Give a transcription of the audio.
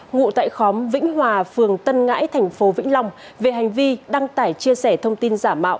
ngụ tại khóm vĩnh hòa phường tân ngãi thành phố vĩnh long về hành vi đăng tải chia sẻ thông tin giả mạo